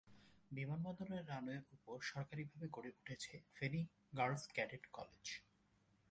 বিমানবন্দরের রানওয়ের ওপর সরকারিভাবে গড়ে উঠেছে ফেনী গার্লস ক্যাডেট কলেজ।